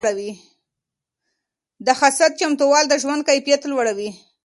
د حسد ختمول د ژوند کیفیت لوړوي.